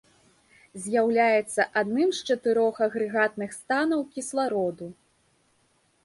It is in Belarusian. З'яўляецца адным з чатырох агрэгатных станаў кіслароду.